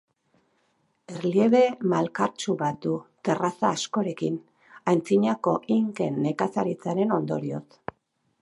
Erliebe malkartsu bat du, terraza askorekin, antzinako inken nekazaritzaren ondorioz.